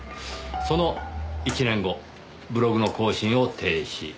その１年後ブログの更新を停止。